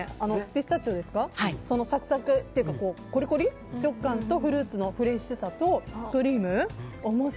ピスタチオですかサクサクというかコリコリ食感とフルーツのフレッシュさとクリーム。